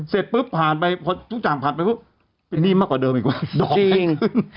เสร็จปุ๊บผ่านไปพอทุกจางผ่านไปมาเหมือนไงวะดอกยังไม่ขึ้นจริง